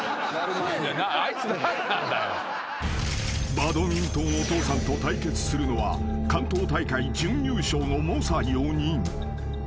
［バドミントンお父さんと対決するのは関東大会準優勝の猛者４人］